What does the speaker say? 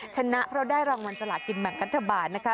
ชนะเพราะได้รางวัลสลากินแบ่งรัฐบาลนะคะ